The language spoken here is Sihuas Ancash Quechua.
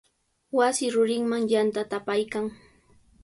Wasi rurinman yantata apaykan.